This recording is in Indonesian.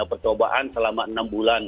percobaan selama enam bulan